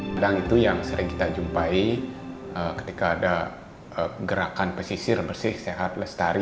bilang itu yang sering kita jumpai ketika ada gerakan pesisir bersih sehat lestari